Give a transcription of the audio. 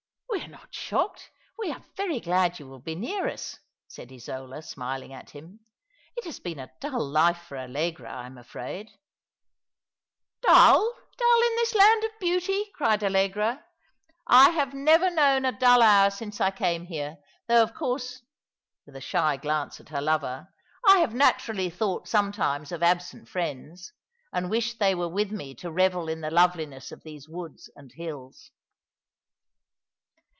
" We are not shocked. We are very glad you will be near us," said Isola, smiling at him. "It has been a dull life for Allegra, I'm afraid^" " Dull ! dull in this land of beauty !" cried Allegra. " I have never known a dull hour since I came here ; though, of course," with a shy glance at her lover, " I have naturally thought sometimes of absent friends, and wished they were with me to revel in the loveliness of these woods and hills.'